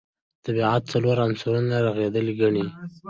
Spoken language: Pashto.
طبیعت څلورو عناصرو رغېدلی ګڼي.